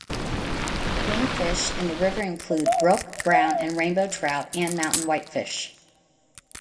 Game fish in the river include brook, brown, and rainbow trout, and mountain whitefish.